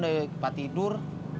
saya ke tempat tidur